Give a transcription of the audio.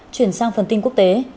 chuyển sang phần tin quốc tế